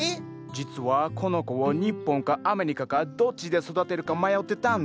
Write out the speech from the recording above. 実はこの子を日本かアメリカかどっちで育てるか迷ってたんだ。